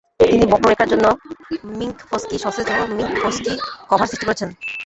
তিনি বক্ররেখার জন্য মিংকফ্স্কি সসেজ ও মিংকফ্স্কি কভার সৃষ্টি করেছেন।